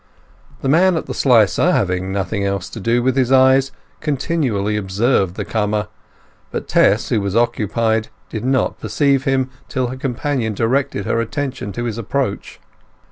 The man at the slicer, having nothing else to do with his eyes, continually observed the comer, but Tess, who was occupied, did not perceive him till her companion directed her attention to his approach.